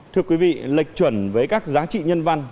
thưa quý vị lệch chuẩn với các giá trị nhân văn